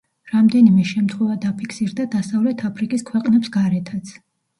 რამდენიმე შემთხვევა დაფიქსირდა დასავლეთ აფრიკის ქვეყნებს გარეთაც.